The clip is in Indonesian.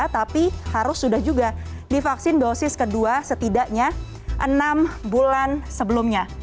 tapi harus sudah juga divaksin dosis kedua setidaknya enam bulan sebelumnya